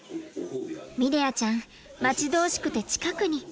ミレアちゃん待ち遠しくて近くに。